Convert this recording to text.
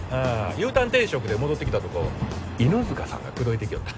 Ｕターン転職で戻ってきたとこを犬塚さんが口説いてきよった